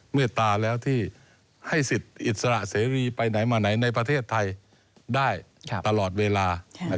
เมตตาแล้วที่ให้สิทธิ์อิสระเสรีไปไหนมาไหนในประเทศไทยได้ตลอดเวลา